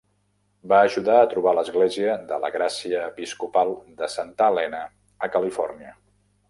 Va ajudar a trobar l'Església de la Gràcia Episcopal de Santa Helena a Califòrnia.